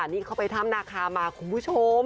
นี่เขาไปถ้ำนาคามาคุณผู้ชม